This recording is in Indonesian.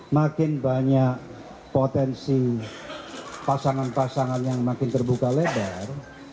makin banyak potensi pasangan pasangan yang makin terbuka lebar